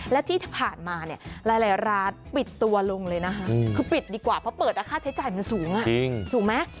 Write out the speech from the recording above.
และที่ผ่านมาเนี่ยหลายร้านปิดตัวลงเลยนะคะคือปิดดีกว่าเพราะเปิดค่าใช้จ่ายมันสูงถูกไหม